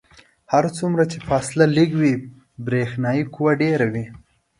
هر څومره چې فاصله لږه وي برېښنايي قوه ډیره وي.